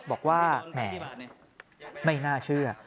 บอกว่าแหมไม่น่าเชื่อ